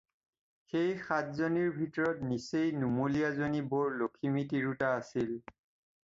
সেই সাতজনীৰ ভিতৰত নিচেই নুমলীয়াজনী বৰ লখিমী তিৰোতা আছিল।